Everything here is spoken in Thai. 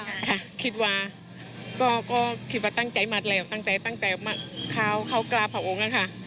ค่ะคิดว่าก็คิดว่าตั้งใจมาแล้วตั้งแต่ตั้งแต่เขากราบเหล่าโงงหละค่ะ